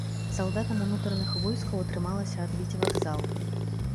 Салдатам унутраных войскаў атрымалася адбіць вакзал.